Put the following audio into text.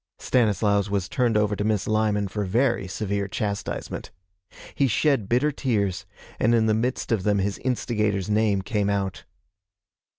Stanislaus was turned over to Miss Lyman for very severe chastisement. He shed bitter tears, and in the midst of them his instigator's name came out.